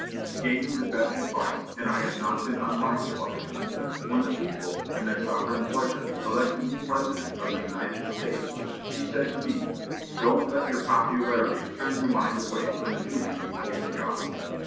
She gave me the best advice, and I have not been unmindful of it. When the people, in their sovereign pleasure, elected me President of the United States, she said to me, 'Don't let your popularity turn your mind away from the duty you owe to God.